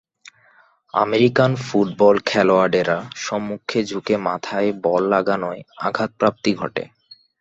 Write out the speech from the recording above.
American football খেলোয়াড়েরা সম্মুখে ঝুঁকে মাথায় বল লাগানোয় আঘাতপ্রাপ্তি ঘটে।